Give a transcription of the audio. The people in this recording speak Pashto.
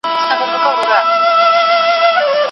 په پټو سترګو قضاوت مه کوئ.